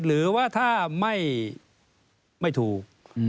หรือว่าถ้าไม่ถูก